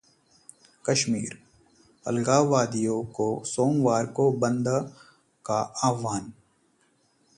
कश्मीर: अलगाववादियों का सोमवार को बंद का आह्वान